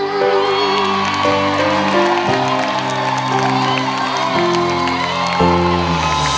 ขอบคุณทุกคน